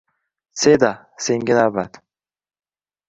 Seda, senga navbat.